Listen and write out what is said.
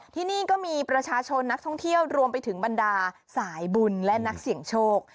ที่นี่ก็มีประชาชนนักท่องเที่ยวรวมไปถึงบรรดาสายบุญและนักเสี่ยงโชค